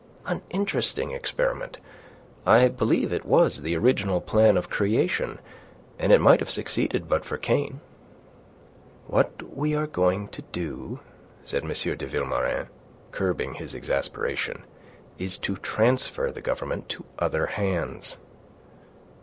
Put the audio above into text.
An interesting experiment. I believe it was the original plan of creation, and it might have succeeded but for Cain." "What we are going to do," said M. de Vilmorin, curbing his exasperation, "is to transfer the government to other hands."